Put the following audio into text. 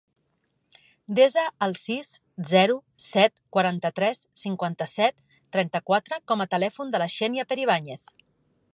Desa el sis, zero, set, quaranta-tres, cinquanta-set, trenta-quatre com a telèfon de la Xènia Peribañez.